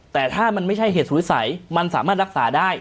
แต่ถ้ามันไม่ใช่เหตุสุดวิสัยมันสามารถรักษาได้